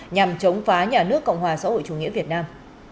nhằm chống phá nhà nước cộng hòa xã hội chủ nghĩa việt nam